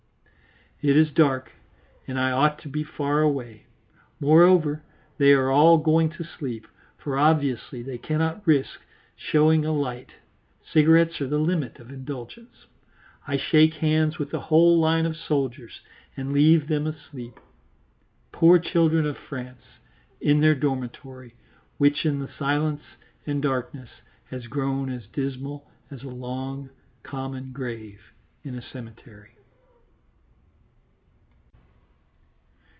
It is dark and I ought to be far away. Moreover, they are all going to sleep, for obviously they cannot risk showing a light; cigarettes are the limit of indulgence. I shake hands with a whole line of soldiers and leave them asleep, poor children of France, in their dormitory, which in the silence and darkness has grown as dismal as a long, common grave in a cemetery.